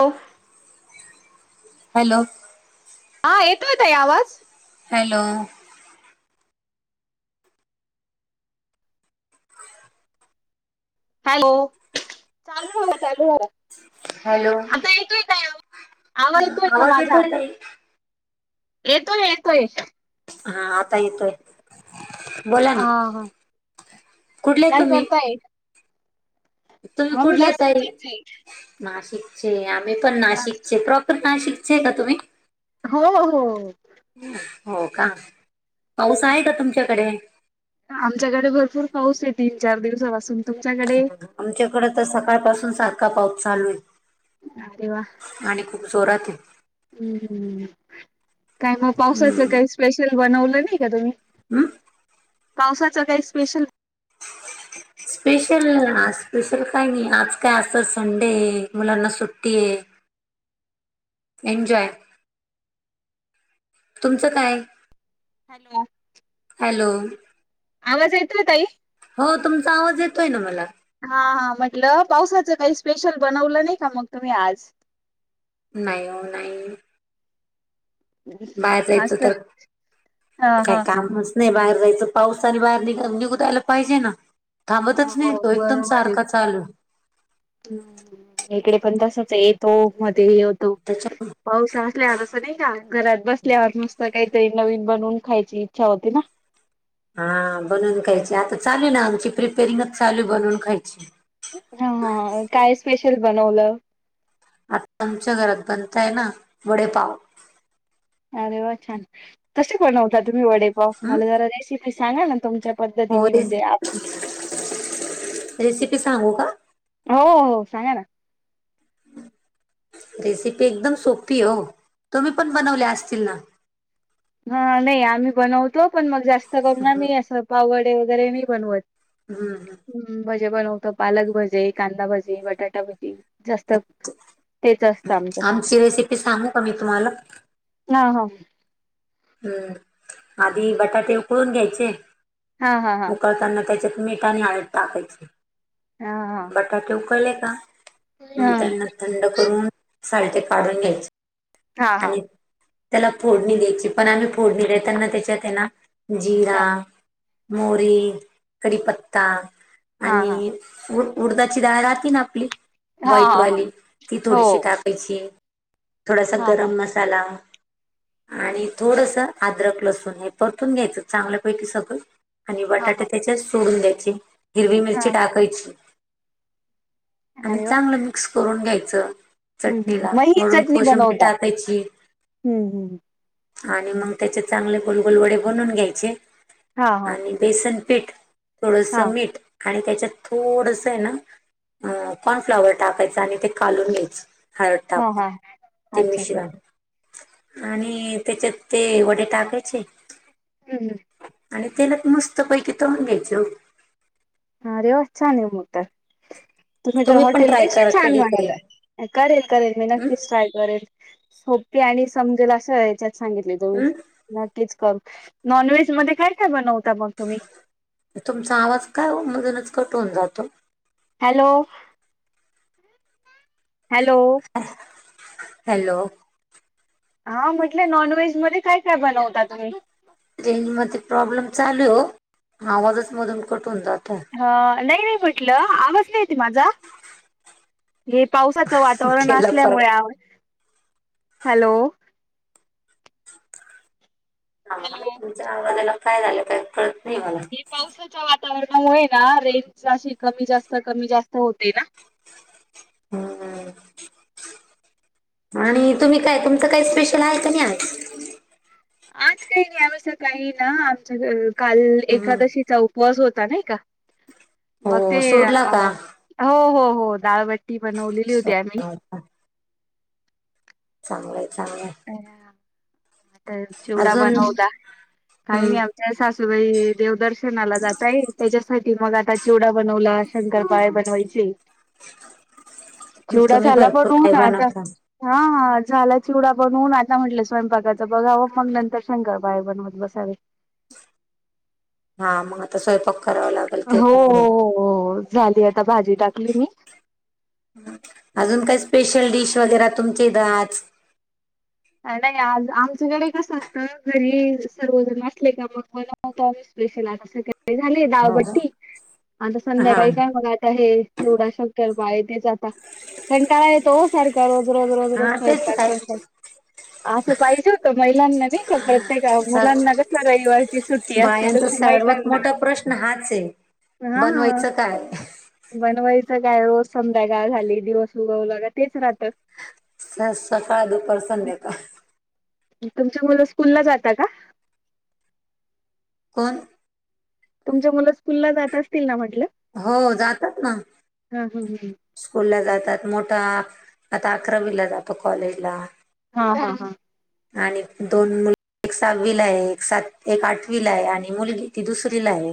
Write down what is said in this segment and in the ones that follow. हो. हॅलो. हा येतोय ताई आवाज. हॅलो. हॅलो.. चालू आहे. चालू आहे. हॅलो आता येतोय काय आवाज येतोय का आवाज माझा. येतोय ताई येतोय... येतोय. हा आता येतोय. बोला ना. हा हा कुठले काय तुम्ही करतायं? तुम्ही कुठल्या ताई? नाशिकचेच नाशिकचे आम्ही पण आहे नाशिकचे प्रॉपर नाशिकचे का तुम्ही? हो हो. हो का पाऊस आहे का तुमच्याकडे? आमच्याकडे भरपूर पाऊस आहे तीन चार दिवसापासून. तुमच्याकडे आमच्याकडे तर सकाळपासून सारखा पाऊस चालू आहे. अरे वा! आणि खूप जोरात आहे. हम्म काय मग पावसाचं काही स्पेशल बनवलं नाही का तुम्ही? हमं. पावसाचं काही स्पेशलं [inaudible] स्पेशल आ स्पेशल काय नाही आज काय असचं संडे आहे. मुलांना सुट्टी आहे. एन्जॉय. तुमचं काय. हॅलो. हॅलो आवाज येतोयं ताई. हो तुमचा आवाज येतोय ना मला. हा, हा. म्हटलं पाऊसाच काही स्पेशल बनवलं नाही का मग तुम्ही आज? नाही हो, नाही. बाहेर जायचं तर, हा काय हा हा काम अस नाही बाहेर जायचं, पाऊसाने बाहेर निघु दायला पाहीजे ना? थांबतच नाही हो तो, एकदम सारखा चालू. हम्म, हम्म. इकडे पण तसचं आहे येतो मध्ये तेचा मुळे. पाऊस असल्यावर, असं नाही का? घरात बसल्यावर मस्त काहीतरी नवीन बनवून खायची इच्छा होती ना? हा, बनवून खायची आता चालू आहे ना आमची प्रिपेरिंगच चालू आहे बनवून खायची. हा, हा. काय स्पेशल बनवलं? आता आमच्या घरात बनतोय ना? वडेपाव. अरे वा, छान! कसे बनवता तुम्ही वडेपाव? हम्म मला जरा रेसिपी सांगा ना तुमच्या हो, पद्धतीने रेस, म्हणजे आप- रेसिपी सांगू का? हो, सांगा ना. रेसिपी एकदम सोपी हो! तुम्ही पण बनवल्या असतील ना? हा, नाही आम्ही बनवतो पण, मग जास्त करून आम्ही असं पाववडे वगैरे नाही बनवत. हम्म, हम्म. हम्म, भजे बनवतो, पालक भजे, कांदा भजे, बटाटा भजी जास्त तेच असतं आमचं आमची रेसिपी सांगू का मी तुम्हांला? ना. हं. हम्म, आधी बटाटे उकळून घ्यायचे, हा हा हा उकळताना त्याच्यात मीठ आणि हळद टाकायचे, हा हा बटाटे उकळले का? हा नंतर न थंड करून सालटे काढून घ्यायचे हा हा हा आणि त्याला फोडणी द्यायची पण आम्ही फोडणी देताना त्याच्यात हेना जीरा मोहरी, कढीपत्ता हा हा आणि उ-उडदाची डाळ राहती ना आपली, हा हा हा व्हाईटवाली ती हो थोडीशी टाकायची. थोडासा हा गरम हा मसाला आणि थोडसं अद्रक, लसूण हे परतून घ्यायचं चांगल्यापैकी सगळं. आणि हा बटाटे हा त्याच्यात सोडून द्यायचे, हिरवी मिरची हा टाकायची. आणि अरे वा चांगलं मिक्स करून घ्यायचं, हम्म हम्म चटणीला मग ही वरून चटणी कोशिंबीर बनवता टाकायची. हम्म हम्म. आणि मग त्याचे चांगले गोलगोल वडे बनून घ्यायचे हा हा आणि बेसन पीठ थोडंस हा मीठ आणि त्याच्यात थोडसं आहे ना, अ कॉर्नफ्लॉवर टाकायचं आणि ते कालवून घ्यायचं. हळद हा टाकून, हा ते अच्छा मिश्रण आणि त्याच्यात ते वडे टाकायचे. हम्म हम्म. आणि तेलात मस्तपैकी तळून घ्यायचे. रे वा, छान आहे मग तर! तुम्ही तर पण ट्राय हॉटेलपेक्षा करा छान कधीतरी बनवता, करेल, करेल मी हं? नक्कीचं ट्राय करेल. सोपे आणि समजेल अशा हे च्यात सांगितले तुम्ही. हं? नक्कीच कर, नॉनव्हेज मध्ये काय काय बनवता मग तुम्ही? तुमचा आवाज काय ओ, मधूनच कट होऊन जातो? हॅलो. हॅलो. हा हॅलो! हा म्हटले नॉनव्हेज मध्ये काय, काय बनवता तुम्ही? रेंजमध्ये प्रॉब्लेम चालू आहे ओ आवाजच मधून कट होऊन जातोय. ह नाही नाही म्हटलं आवाज नाही येत माझा. हे पावसाचं वातावरण केला असल्यामुळे फरक आवाज हॅलो! हॅलो! आवाज झाला याला काय झालं काय कळत नाही मला. ही पावसाच्या वातावरणामुळे ना रेंज अशी कमी जास्त कमी जास्त होते ना. हम्म हम्म.. आणि तुम्ही काय तुमचं काय स्पेशल आहे की नाही आज. आज काही नाही आम्ही सकाळी ना आमच्या घरी काल हम्म. एकादशीचा उपवास. उपवास होता नाही का मग ते हो सोडला अ का हो हो हो डाळ बट्टी बनवलेली होती आम्ही सोडला चांगलं हाय, चांगलं हाय. आता चिवडा अजून बनवला काही नाही हम्म, आमच्या सासूबाई देवदर्शन, फिरण्याला जाता येई त्याच्यासाठी मग आता चिवडा बनवला शंकर पाळी बनवायचे आहेत. चिवडा तुम्ही झाला भरपूर काही बनवून आता बनवता हा हा झाला चिवडा बनवून आता म्हटलं स्वयंपाकाचं. तर बघावं मग नंतर शंकर पाळी बनवत बसावे. हा मग आता स्वयंपाक करावा लागेल ते हो पण हो आहे. हो हो झाली आता भाजी टाकली मी. अजून काय स्पेशल डिश वगैरे तुमच्या इथं आज. नाही आज आमच्याकडे कसं असतं घरी सर्वजण असले का मग बन हो तर आम्ही स्पेशल अनु काय काय? ते झाले हो का? दाळबट्टी आता हा संध्याकाळी काय मग आता हे चिवडा शंकरपाळी तेच आता कंटाळा येतो वो सारखाच रोज रोज रोज रोज हा तेच स्वयंपाक, काय स्वयंपाक. आसं पाहिजे होतं महिलांना नाय का प्रत्येका मुलांना कस रविवारची सुट्टी अस ह्यांच सर्वात मोठा प्रश्न हाच आहे हा बनवायच काय? बनवायचं काय रोज संध्याकाळ झाली दिवस उगवलं का तेच राहतं. सास सकाळ दुपार संध्याकाळ. तुमचे मुलं स्कूल ला जाता का? कोण? तुमच्या मुलं स्कूल ला जात असतील ना म्हटलं. हो जातात ना. हा हा स्कूल ला जातात मोठा आता अकरावीला जातो. कॉलेजला. हा हा हा.. आणि दोन मुल एक सहावीला आहे. एक सात एक आठवीला आहे. आणि मुलगी ती दुसरी ला आहे.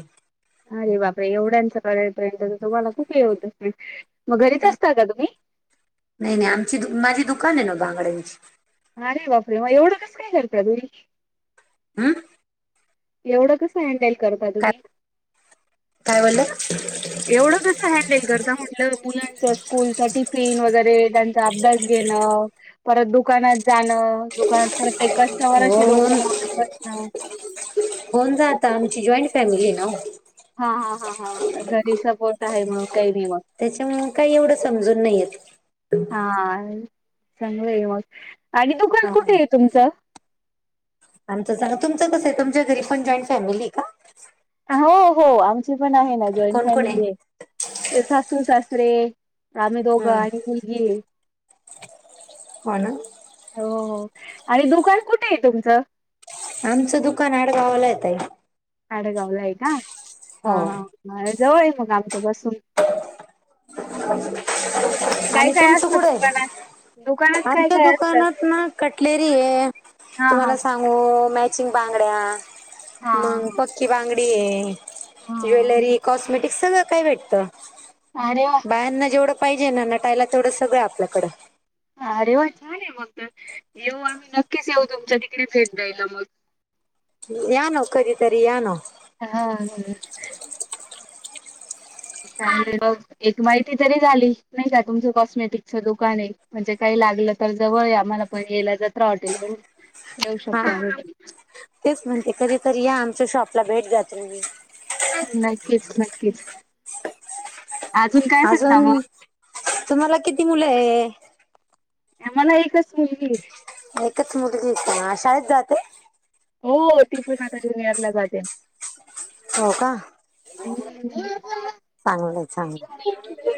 अरे बापरे एवढ्यांच करेपर्यंत तर तुम्हाला खूप हे होत असेल मग घरीच असता का तुम्ही? नाही नाही आमची दु माझी दुकान आहे ना बांगड्यांची. अरे बापरे म एवढं कस काय करता तुम्ही? हा.. एवढं कसं हँडल करता काय तुम्ही. काय बोललात? एवढंच कस हँडल करता म्हटलं मुलांच स्कूलचा टिफिन वगैरे त्यांचा अभ्यास घेणं अ परत दुकानात जाणं, दुकानात परत ते हो कस्टमराशी डोकं होऊन लावत बसणं. होऊन जातं आमची जॉईंट फॅमिली आहे ना वो. हा, हा, हा, हा. घरी सपोर्ट आहे मग. काही नाही त्याच्यामुळं काय समजून नाहीयेत. हा चांगलं आहे मग आणि दुकान हा. कुठे आहे तुमचं? आमचं सांग तुमचं कसं आहे तुमच्या घरी पण जॉईन फॅमिली आहे का? हो, हो. आमची पण आहे ना जॉईंट कोण कोण आहे फॅमिली आहे सासू सासरे आम्हीं दोघं हम्म आणि मुलगी ये. हो, ना. हो, हो आणि दुकान कुठे आहे तुमचं? आमचं दुकान आडगावाला आहे ताई. आडगावला आहे का, हो हा. हा. मग जवळ आहे आमच्या पासून. काय आणि काय तुमचं असतं कुठंये? दुकानात? दुकानात काय आमच्या काय असतं? दुकानात ना कटलेरी ये. हा, हा. हो मॅचिंग बांगड्या हा मंग पक्की बांगडी ये. हा ज्वेलरी, कॉस्मेटिक सगळं काही भेटतं. अरे वा. बायांना जेवढं पाहिजे ना नटायला, तेवढं सगळं आपल्याकडं आहे. अरे वा छान आहे मग तर, येऊ आम्हीं नक्कीच येऊ तुमच्या तिकडे भेट द्यायला मग. या ना ओ, कधीतरी या ना. हा, हां. काही नाही मग एक माहिती तरी झाली, नाही का तुमचं कॉस्मेटिकचं दुकान आहे. म्हणजे काही लागलं तर जवळ आहे आम्हांला पण यायला जत्रा हॉटेलवरून येऊ शकतो हा आम्ही. तेच म्हणती कधीतरी या आमच्या शॉपला भेट द्या तुम्ही. नक्कीच, नक्कीच. अजून काय म्हणता मग? तुम्हांला किती मुलं आहे? मला एकच मुलगी ये. एकच मुलगी, त शाळेत जाते? हो, ती पण आता ज्युनियर ला जाते. हो का हुं... चांगलंय चांगलं.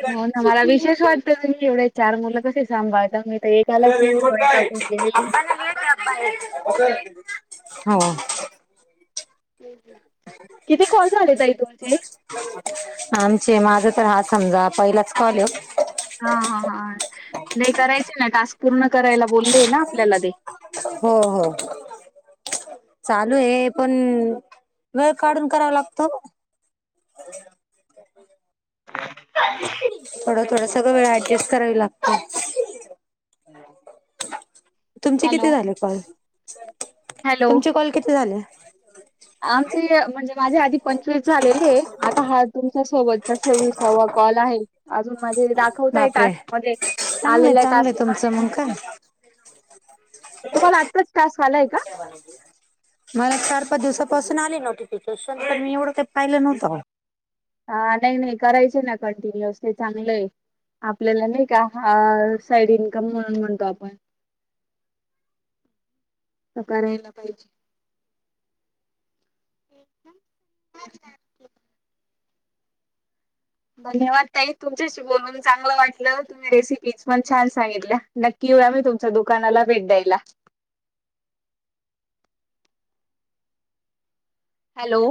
हो ना मला विशेष वाटतं, तुम्हीं एवढे चार मुलं कसे सांभाळता? तर मेरा एकालाच एवढं रेनकोट वेळ कहा टाकून गेलेली है [unintelligible] हो. किती कॉल झाले ताई तुमचे? आमचे माझं तर हा समजा पहिलाच कॉल हे वो. हा, हा, हा. नाही करायचे ना टास्क पूर्ण करायला बोलले ना आपल्याला ते. हो, हो. चालू हे, पण वेळ काढून करावा लागतो वो. [unintelligible] थोडं -थोडं सगळं वेळ ऍडजस्ट करावी लागते. तुमचे किती हॅलो झाले कॉल? हॅलो तुमचे कॉल किती झाले? आमचे म्हणजे माझे आधी पंचवीस झालेले, आता हा तुमच्या सोबत चा सव्वीसावा कॉल आहे, अजून माझे दाखवता आहे बापरे टास्क मध्ये. चांगलंय आलेल्या चांगलंय तुमचं टास्कमध्ये मग काय. [unintelligible] तुम्हाला आत्ताच. टास्क आलाय का, [inaudible] मला चार पाच दिवसापासून नव्हते. तसं काय मी एवढं काही पाहिलं नव्हत बाई. हा, नाही नाही करायचे ना कंटिन्यू व्यवस्थित चांगलेय. आपल्याला नाही का हा साईड इन्कम म्हणून म्हणतो आपण. काय ला पाहिजे. धन्यवाद ताई तुमच्याशी बोलून चांगलं वाटलं तुम्ही रेसिपीज पण छान सांगितल्या. नक्की येऊ या तुमच्या दुकानाला भेट द्यायला. हॅलो,